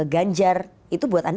ganjar itu buat anda